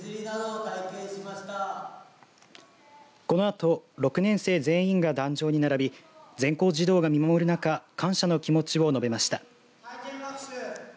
このあと６年生全員が壇上に並び全校児童が見守る中感謝の気持ちを述べました。